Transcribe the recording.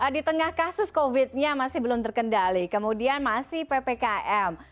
di tengah kasus covid nya masih belum terkendali kemudian masih ppkm